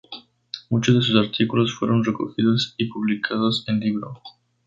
Muchos de sus artículos fueron recogidos y publicados en libro.